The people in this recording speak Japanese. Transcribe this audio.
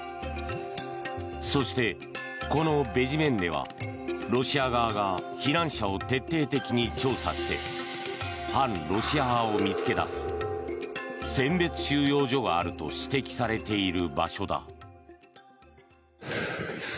そして、このベジメンネはロシア側が避難者を徹底的に調査して反ロシア派を見つけ出す選別収容所があると指摘されている場所だ。